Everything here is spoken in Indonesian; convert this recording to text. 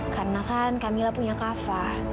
karena kan kak mila punya kak fah